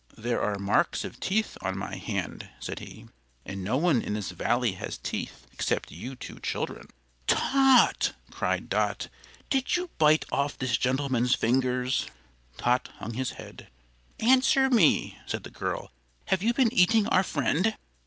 "There are marks of teeth on my hand," said he, "and no one in this Valley has teeth except you two children." "Tot!" cried Dot; "did you bite off this gentleman's fingers?" Tot hung his head. "Answer me!" said the girl. "Have you been eating our friend?"